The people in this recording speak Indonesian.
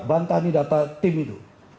bantah nih data tim itu